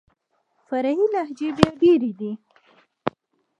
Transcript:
فرعي لهجې بيا ډېري دي.